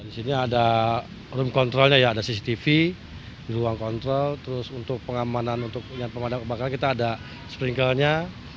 di sini ada room controlnya ada cctv ruang kontrol untuk pengamanan untuk pengamanan kebakaran kita ada sprinklenya